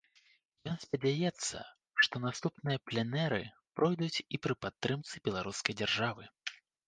Ён спадзяецца, што наступныя пленэры пройдуць і пры падтрымцы беларускай дзяржавы.